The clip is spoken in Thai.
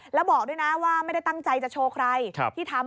แล้วบอกด้วยนะว่าไม่ได้ตั้งใจจะโชว์ใครที่ทำ